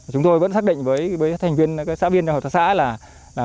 chúng tôi vẫn xác định với các thành viên các xã viên các hợp tác xã là